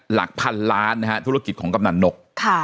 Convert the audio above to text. หลักพันล้านนะฮะธุรกิจของกำนันนก